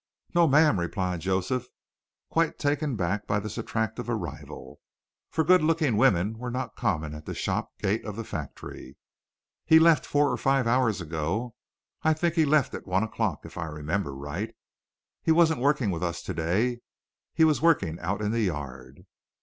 "No, ma'am," replied Joseph, quite taken back by this attractive arrival, for good looking women were not common at the shop gate of the factory. "He left four or five hours ago. I think he left at one o'clock, if I remember right. He wasn't working with us today. He was working out in the yard."